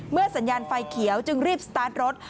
สัญญาณไฟเขียวจึงรีบสตาร์ทรถ